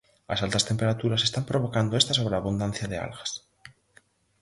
As altas temperaturas están provocando esta sobreabundancia de algas.